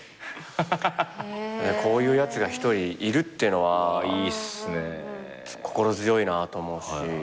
こういうやつが一人いるっていうのは心強いなと思うし。